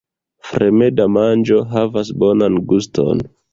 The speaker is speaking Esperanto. Fremda manĝo havas bonan guston.